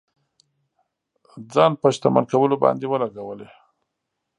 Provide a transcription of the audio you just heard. ځان په شتمن کولو باندې ولګولې.